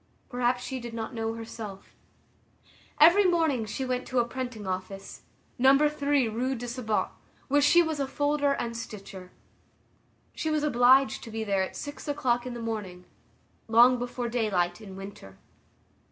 Perhaps she did not know herself. Every morning she went to a printing office, No. 3 Rue du Sabot, where she was a folder and stitcher. She was obliged to be there at six o'clock in the morning—long before daylight in winter.